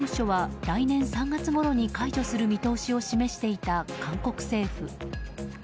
当初は来年３月ごろに解除する見通しを示していた韓国政府。